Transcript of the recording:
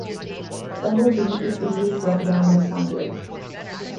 Bumblebee is easily thrown down by Soundwave.